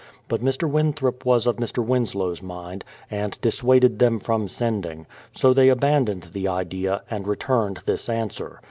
But Mr. Winthrop was of Mr. Winslow's mind, and dissuaded them from sending; so they abandoned the idea, and returned this answer.